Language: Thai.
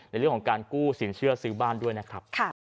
ในเรื่องของการกู้สินเชื่อซื้อบ้านด้วยนะครับ